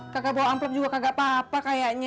kakak bawa amplop juga kagak apa apa kayaknya